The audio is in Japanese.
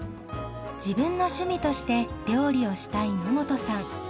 自分の趣味として料理をしたい野本さん。